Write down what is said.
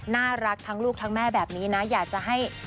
น่ารักทั้งลูกทั้งแม่แบบนี้นะอยากจะให้